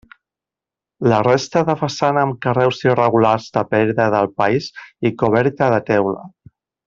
La resta de façana amb carreus irregulars de pedra del país i coberta de teula.